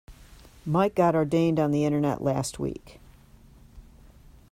Mike got ordained on the internet last week.